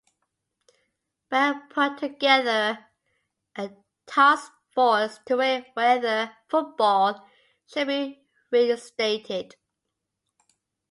Bell put together a task force to weigh whether football should be reinstated.